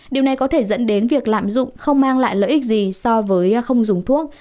điều này có thể dẫn đến việc lạm dụng không mang lại lợi ích gì so với không dùng thuốc